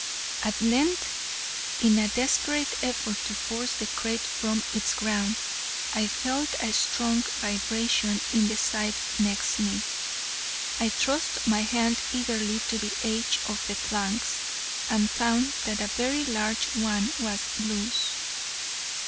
At length, in a desperate effort to force the crate from its ground, I felt a strong vibration in the side next me. I thrust my hand eagerly to the edge of the planks, and found that a very large one was loose.